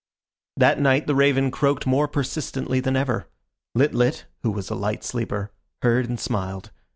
That night the raven croaked more persistently than ever. Lit lit, who was a light sleeper, heard and smiled.